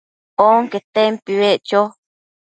onquetempi beccho